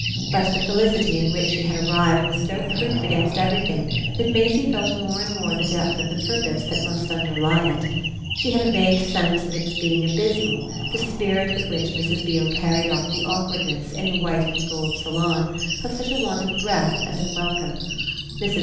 But the felicity in which she had arrived was so proof against everything that Maisie felt more and more the depth of the purpose that must underlie it. She had a vague sense of its being abysmal, the spirit with which Mrs. Beale carried off the awkwardness, in the white and gold salon, of such a want of breath and of welcome. Mrs.